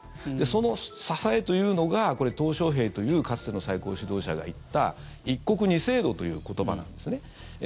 その支えというのがトウ・ショウヘイというかつての最高指導者が言った一国二制度という言葉なんです。